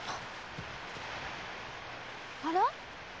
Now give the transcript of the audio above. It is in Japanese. あら！？